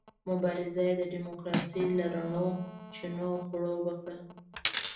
مبارزه یې د ډیموکراسۍ له رڼو چینو خړوبه کړه.